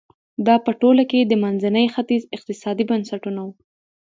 دا په ټوله کې د منځني ختیځ اقتصادي بنسټونه وو.